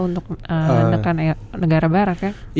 untuk menekan negara barat ya